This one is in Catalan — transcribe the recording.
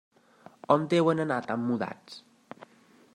On deuen anar tan mudats.